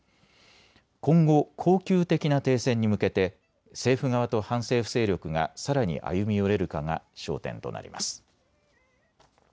今後、恒久的な停戦に向けて政府側と反政府勢力がさらに歩み寄れるかが焦点となります。